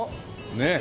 ねえ。